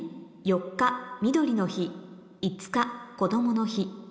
「４日みどりの日」「５日こどもの日」